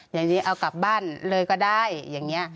อย่างนี้เอากลับบ้านเลยก็ได้อย่างนี้